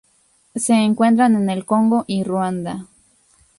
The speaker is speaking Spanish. Se encuentra en el Congo y Ruanda.